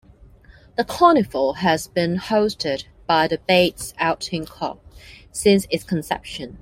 The carnival has been hosted by the Bates Outing Club since its conception.